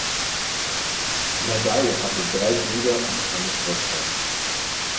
Nagai hatte drei Brüder und eine Schwester.